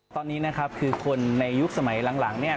ตอนนี้นะครับคือคนในยุคสมัยหลังเนี่ย